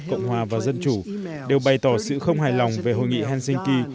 cộng hòa và dân chủ đều bày tỏ sự không hài lòng về hội nghị helsinki